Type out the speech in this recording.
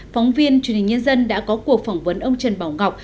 phóng viên truyền hình nhân dân đã có cuộc phỏng vấn ông trần bảo ngọc